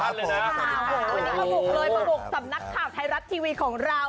วันนี้มาบุกเลยมาบุกสำนักข่าวไทยรัฐทีวีของเรา